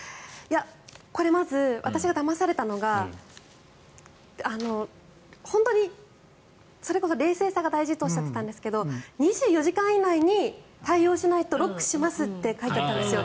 これ、まず私がだまされたのが本当にそれこそ冷静さが大事とおっしゃっていたんですけど２４時間以内に対応しないとロックしますって書いてあったんですよ。